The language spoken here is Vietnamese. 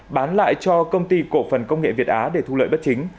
bán lại cho công ty cổ phần công nghệ việt á để thu lợi bất chính